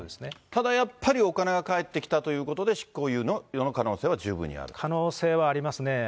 ただやっぱり、お金が返ってきたということで、執行猶予の可可能性はありますね。